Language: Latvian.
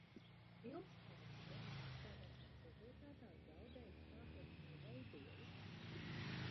Pilskalns zemes apstrādāšanas rezultātā zaudējis sākotnējo veidolu.